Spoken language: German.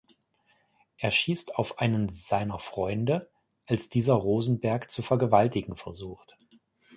Er schießt auf einen seiner Freunde, als dieser Rosenberg zu vergewaltigen versucht.